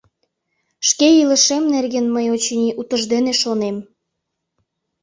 Шке илышем нерген мый, очыни, утыждене шонем.